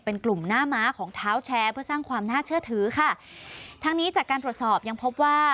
เป็นกลุ่มหน้าม้าของเท้าแชร์เพื่อสร้างความน่าเชื่อถือค่ะทั้งนี้จากการตรวจสอบยังพบว่า